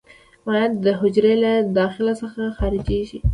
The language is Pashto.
مایعات د حجرې له داخل څخه خارجيږي.